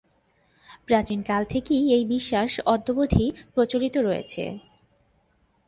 প্রাচীনকাল থেকেই এই বিশ্বাস অদ্যাবধি প্রচলিত রয়েছে।